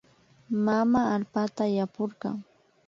Mama allpata yapurka